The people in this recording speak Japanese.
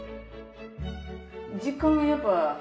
時間やっぱ。